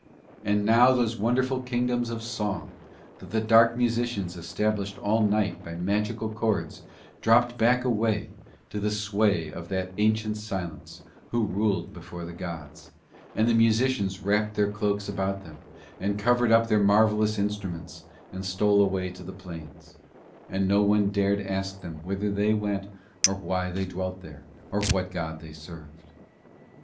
And now those wonderful kingdoms of song that the dark musicians established all night by magical chords dropped back again to the sway of that ancient silence who ruled before the gods, and the musicians wrapped their cloaks about them and covered up their marvellous instruments and stole away to the plains; and no one dared ask them whither they went or why they dwelt there, or what god they served.